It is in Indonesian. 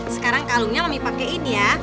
sekarang kalungnya lebih pakai ini ya